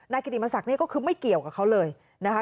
กิติมศักดิ์นี่ก็คือไม่เกี่ยวกับเขาเลยนะคะ